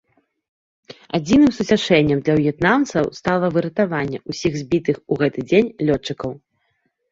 Адзіным суцяшэннем для в'етнамцаў стала выратаванне ўсіх збітых у гэты дзень лётчыкаў.